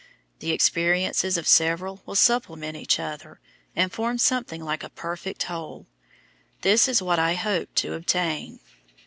The experiences of several will supplement each other, and form something like a perfect whole; this is what I hoped to obtain.